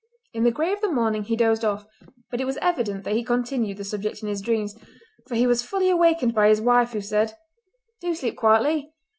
In the grey of the morning he dozed off, but it was evident that he continued the subject in his dreams, for he was fully awakened by his wife, who said: "Do sleep quietly!